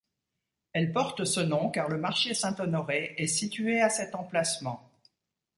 Elle porte ce nom car le marché Saint-Honoré est situé à cet emplacement.